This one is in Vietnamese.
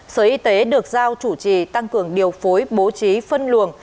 sở y tế được giao chủ trì tăng cường điều phối bố trí phân luồng